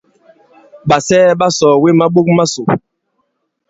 Ɓàsɛɛ ɓa sɔ̀ɔ̀we maɓok masò.